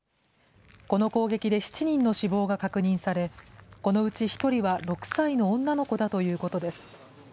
この攻撃で７人の死亡が確認され、このうち１人は６歳の女の子だということです。